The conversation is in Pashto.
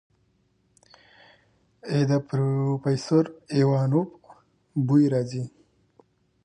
ای د پروفيسر ايوانوف بوئ راځي.